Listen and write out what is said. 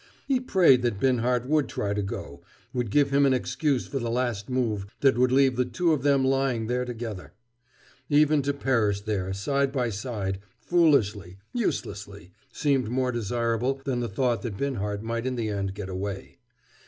He prayed that Binhart would try to go, would give him an excuse for the last move that would leave the two of them lying there together. Even to perish there side by side, foolishly, uselessly, seemed more desirable than the thought that Binhart might in the end get away.